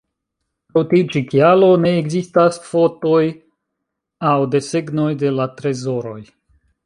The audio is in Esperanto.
Pro tiu ĉi kialo, ne ekzistas fotoj aŭ desegnoj de la trezoroj.